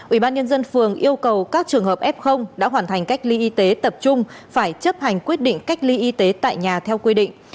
ủy ban nhân dân phường yêu cầu các trường hợp f đã hoàn thành cách ly y tế tập trung phải chấp hành quyết định cách ly y tế tại nhà theo quy định